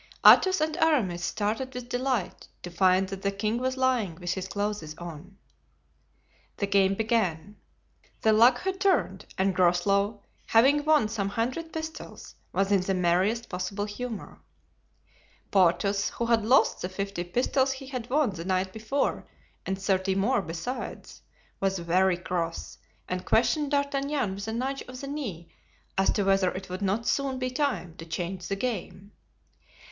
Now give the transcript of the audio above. Athos and Aramis started with delight to find that the king was lying with his clothes on. The game began. The luck had turned, and Groslow, having won some hundred pistoles, was in the merriest possible humor. Porthos, who had lost the fifty pistoles he had won the night before and thirty more besides, was very cross and questioned D'Artagnan with a nudge of the knee as to whether it would not soon be time to change the game.